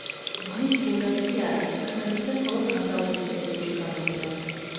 ზღვის ფრინველები არიან, ხმელეთზე მხოლოდ გამრავლების პერიოდში გამოდიან.